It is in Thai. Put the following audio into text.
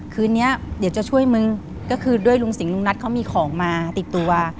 คืนนี้เดี๋ยวจะช่วยมึงก็คือด้วยลุงสิงหลุงนัทเขามีของมาติดตัว